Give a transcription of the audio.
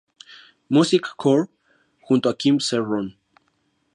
Music Core" junto a Kim Sae-ron.